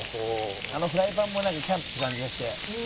「あのフライパンもキャンプって感じがして」